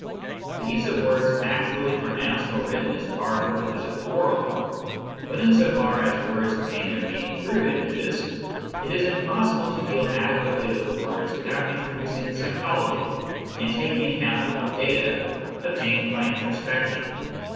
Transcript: The use of words actually pronounced or written is part of the physical world, but in so far as words obtain their meaning through images, it is impos sible to deal adequately with words without introducing psychology and taking account of data obtained by intro spection.